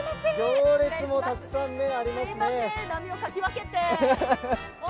行列もたくさんありますね。